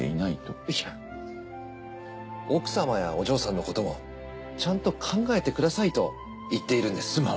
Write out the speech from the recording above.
いや奥様やお嬢さんのこともちゃんと考えてくださいと言っているんです。